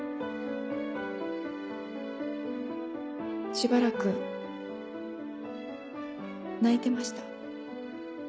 しばらく泣いてました。